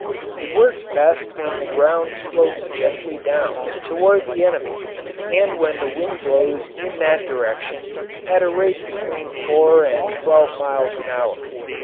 It works best when the ground slopes gently down toward the enemy and when the wind blows in that direction at a rate between four and twelve miles an hour.